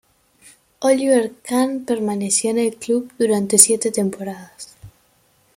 Oliver Kahn permaneció en el club durante siete temporadas.